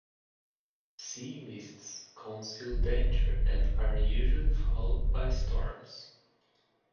Sea mists conceal danger and are usually followed by storms.